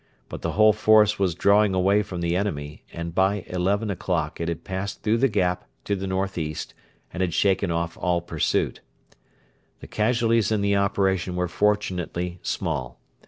But the whole force was drawing away from the enemy, and by eleven o'clock it had passed through the gap to the north east and had shaken off all pursuit. The casualties in the operation were fortunately small.